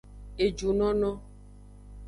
Ejunono.